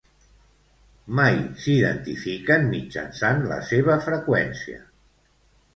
Mai s'identifiquen mitjançant la seva freqüència.